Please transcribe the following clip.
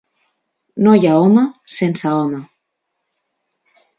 No hi ha home sense home.